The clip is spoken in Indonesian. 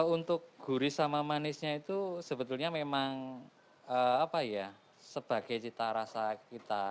untuk gurih sama manisnya itu sebetulnya memang apa ya sebagai cita rasa kita